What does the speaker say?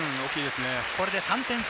これで３点差。